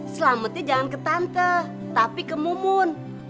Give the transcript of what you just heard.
selametnya jangan ke tante tapi ke mumun